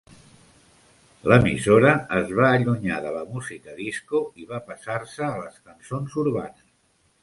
L'emissora es va allunyar de la música disco i va passar-se a les cançons urbanes.